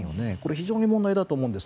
非常に問題だと思います。